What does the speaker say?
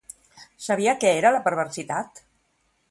Sabia què era la perversitat?